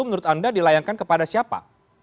menurut anda dilayangkan kepada siapa